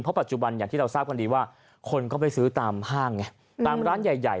เพราะปัจจุบันอย่างที่เราทราบกันดีว่าคนก็ไปซื้อตามห้างไงตามร้านใหญ่